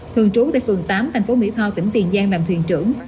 thường trú tại phường tám thành phố mỹ tho tỉnh tiền giang làm thuyền trưởng